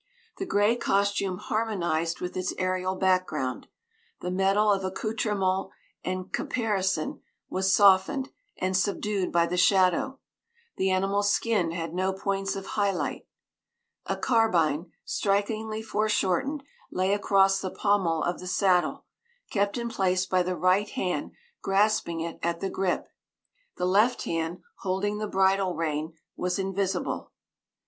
The gray costume harmonized with its aerial background; the metal of accoutrement and caparison was softened and subdued by the shadow; the animal's skin had no points of high light. A carbine, strikingly foreshortened, lay across the pommel of the saddle, kept in place by the right hand grasping it at the "grip"; the left hand, holding the bridle rein, was invisible.